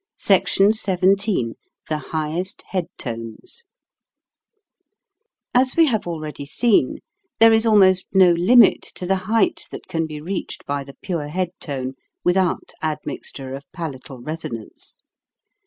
SECTION XVII THE HIGHEST HEAD TONES As we have already seen, there is almost no limit to the height that can be reached by the pure head tone without admixture of palatal resonance.